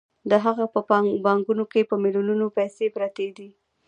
د هغه په بانکونو کې په میلیونونو پیسې پرتې دي